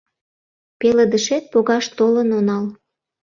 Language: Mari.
Пеледышет погаш толын онал